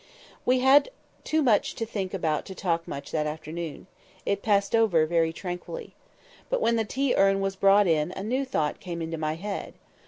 We had too much to think about to talk much that afternoon. It passed over very tranquilly. But when the tea urn was brought in a new thought came into my head.